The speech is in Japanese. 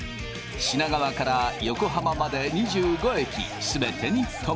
品川から横浜まで２５駅全てに止まる。